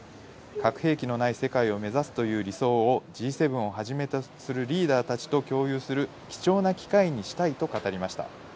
核兵器のない世界を目指すという理想をＧ７をはじめとするリーダーたちと共有する貴重な機会にしたいと語りました。